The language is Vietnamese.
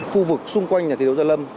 khu vực xung quanh nhà thi đấu gia lâm